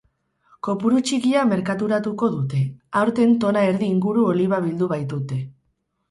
Kopuru txikia merkaturatuko dute, aurten tona erdi inguru oliba bildu baitute.